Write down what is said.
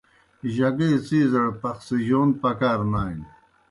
جگے څِیزَڑ پَخڅِجَون پکار نانیْ۔